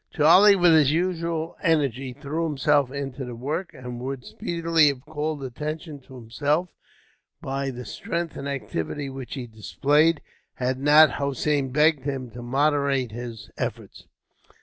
Charlie, with his usual energy, threw himself into the work, and would speedily have called attention to himself, by the strength and activity which he displayed, had not Hossein begged him to moderate his efforts.